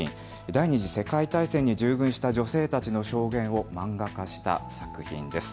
第２次世界大戦に従軍した女性たちの証言を漫画化した作品です。